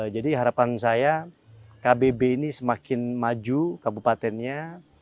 jadi harapan saya kbb ini semakin maju kabupatennya